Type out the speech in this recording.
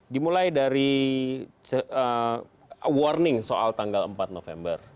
dimulai dari warning soal tanggal empat november